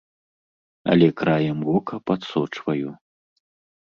Але краем вока падсочваю.